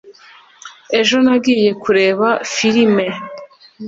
ejo nagiye kureba firime